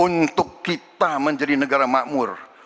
untuk kita menjadi negara makmur